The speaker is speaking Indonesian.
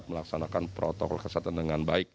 melaksanakan protokol kesehatan dengan baik